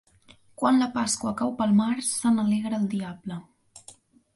Quan la Pasqua cau pel març, se n'alegra el diable.